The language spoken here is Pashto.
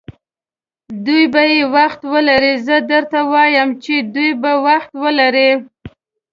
دوی به یې وخت ولري، زه درته وایم چې دوی به وخت ولري.